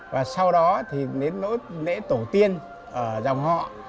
và sau đó thì đến nốt lễ tổ tiên ở dòng họ